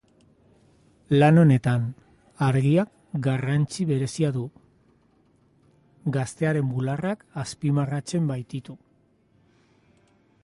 Lan honetan argiak garrantzi berezia du, gaztearen bularrak azpimarratzen baititu.